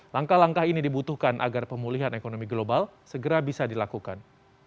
langkah langkah ini dibutuhkan agar pemulihan ekonomi global segera bisa dilakukan